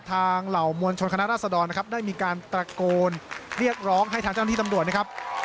เหล่ามวลชนคณะราษดรนะครับได้มีการตระโกนเรียกร้องให้ทางเจ้าหน้าที่ตำรวจนะครับ